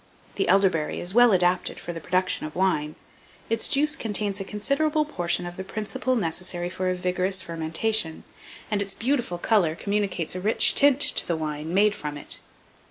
The elder berry is well adapted for the production of wine; its juice contains a considerable portion of the principle necessary for a vigorous fermentation, and its beautiful colour communicates a rich tint to the wine made from it.